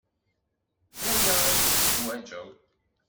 D aya ay teḥwaǧeḍ.